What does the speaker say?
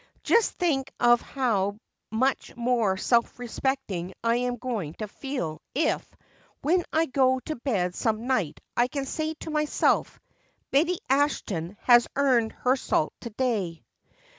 Just think of how much more self respecting I am going to feel if, when I go to bed some night, I can say to myself: 'Betty Ashton has earned her salt to day.'"